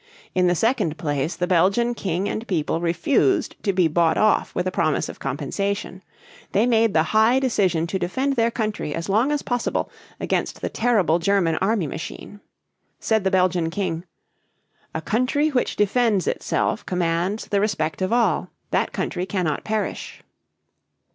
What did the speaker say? In the second place, the Belgian king and people refused to be bought off with a promise of compensation; they made the high decision to defend their country as long as possible against the terrible German army machine. Said the Belgian king: "A country which defends itself commands the respect of all; that country cannot perish."